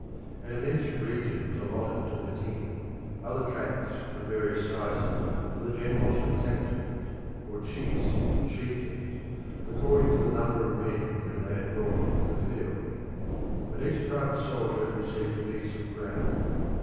An immense region was allotted to the king; other tracts of various sizes to the generals and captains (or chiefs and chieftains) according to the number of men whom they had brought into the field; and each private soldier received a piece of ground.